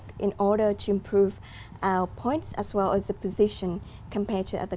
khoảng hai tháng của người